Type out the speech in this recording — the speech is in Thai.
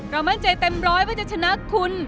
มั่นใจเต็มร้อยว่าจะชนะคุณ